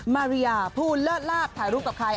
มาริยาผู้เลิศลาบถ่ายรูปกับใคร